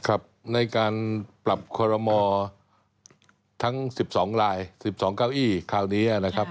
ครับในการปรับคอรมอทั้ง๑๒ลาย๑๒เก้าอี้คราวนี้นะครับ